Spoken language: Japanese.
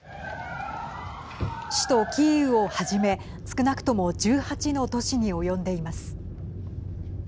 首都キーウをはじめ少なくとも１８の都市に及んでいます。